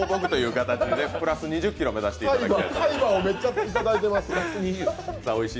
プラス２０ｋｇ目指していただいて。